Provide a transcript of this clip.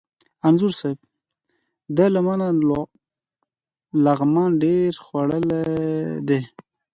انځور صاحب! ده له ما نه لغمان ډېر خوړلی دی.